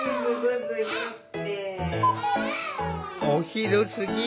お昼すぎ